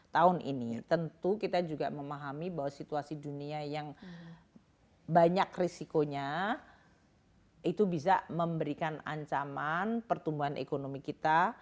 tahun ini tentu kita juga memahami bahwa situasi dunia yang banyak risikonya itu bisa memberikan ancaman pertumbuhan ekonomi kita